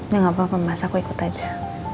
ya gapapa mas aku ikut aja